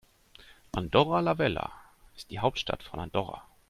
Andorra la Vella ist die Hauptstadt von Andorra.